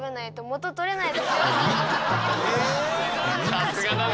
さすがだね。